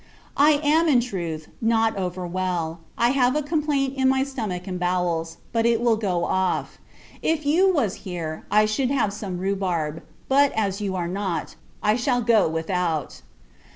I am, in truth, not over well. I have a complaint in my stomach and bowels, but it will go off. If you was here, I should have some rhubarb; but, as you are not, I shall go without.